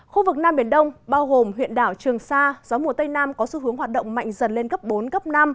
khu vực nam biển đông bao gồm huyện đảo trường sa gió mùa tây nam có xu hướng hoạt động mạnh dần lên cấp bốn cấp năm